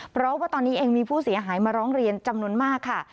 เพราะว่าตอนนี้เองมีผู้เสียหายมาร้องเรียนจำนวนมากค่ะ